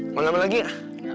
mau nambah lagi gak